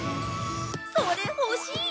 それ欲しい！